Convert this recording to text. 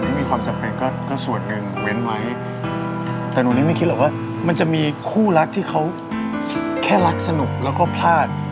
ไม่มีความจำเป็นก็ส่วนหนึ่งเว้นไว้แต่หนูนิดไม่คิดหรอกว่ามันจะมีคู่รักที่เขาแค่รักสนุกแล้วก็พลาด